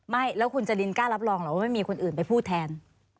ไม่แล้วคุณจรินกล้ารับรองเหรอว่าไม่มีคนอื่นไปพูดแทน